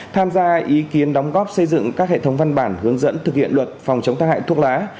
tham gia ý kiến đóng góp xây dựng các hệ thống văn bản hướng dẫn thực hiện luật phòng chống tác hại thuốc lá